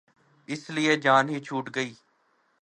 اس لیے جان ہی چھوٹ گئی۔